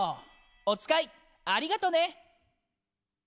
おつかいありがとね。